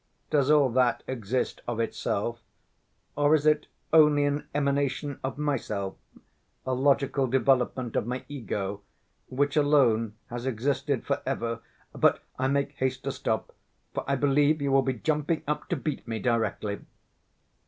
Does all that exist of itself, or is it only an emanation of myself, a logical development of my ego which alone has existed for ever: but I make haste to stop, for I believe you will be jumping up to beat me directly."